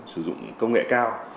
sử dụng công nghệ cao